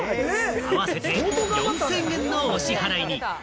合わせて４０００円のお支払いに。